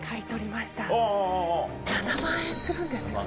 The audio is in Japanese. ７万円するんですよね。